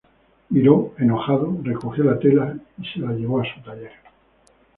Miró, enojado, recogió la tela y se la llevó a su taller.